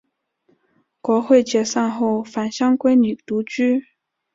国会解散后返乡归里独居。